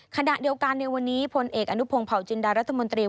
ขณะเดียวกันในวันนี้พลเอกอนุพงศ์เผาจินดารัฐมนตรี